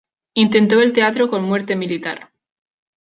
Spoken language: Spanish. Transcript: Intentó el teatro con "Muerte militar".